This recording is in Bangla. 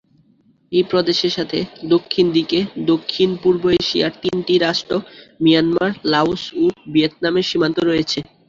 এই প্রদেশের সাথে দক্ষিণ দিকে দক্ষিণ-পূর্ব এশিয়ার তিনটি রাষ্ট্র মিয়ানমার, লাওস ও ভিয়েতনামের সীমান্ত রয়েছে।